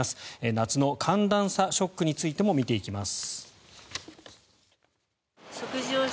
夏の寒暖差ショックについても見ていきます。